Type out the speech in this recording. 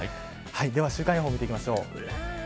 では週間予報を見ていきましょう。